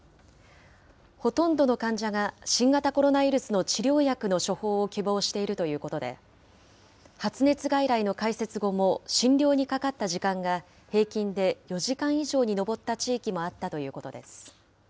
ほとんどの患者が新型コロナウイルスの治療薬の処方を希望しているということで、発熱外来の開設後も診療にかかった時間が、平均で４時間以上に上った地域もあったということです。